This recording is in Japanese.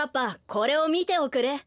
これをみておくれ。